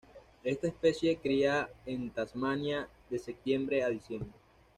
Esta especie cría en Tasmania de septiembre a diciembre.